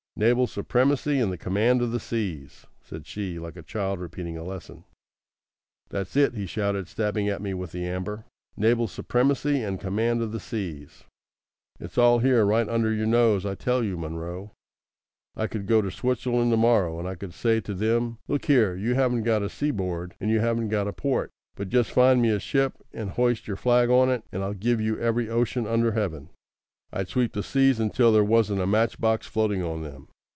"Naval supremacy and the command of the seas," said she, like a child repeating a lesson. "That's it," he shouted, stabbing at me with the amber. "Naval supremacy and command of the seas. It's all here right under your nose. I tell you, Munro, I could go to Switzerland to morrow, and I could say to them 'Look here, you haven't got a seaboard and you haven't got a port; but just find me a ship, and hoist your flag on it, and I'll give you every ocean under heaven.' I'd sweep the seas until there wasn't a match box floating on them.